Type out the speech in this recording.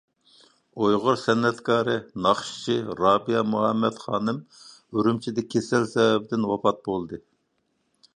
ئۇيغۇر سەنئەتكارى، ناخشىچى رابىيە مۇھەممەد خانىم ئۈرۈمچىدە كېسەل سەۋەبىدىن ۋاپات بولدى.